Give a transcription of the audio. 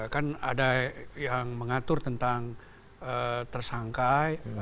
kan ada yang mengatur tentang tersangka